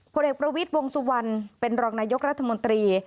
ผลเอกประวิทย์วงสุวรรณเป็นรองนายกรัฐมนตรี